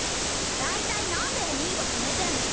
大体なんでお兄が決めてんの？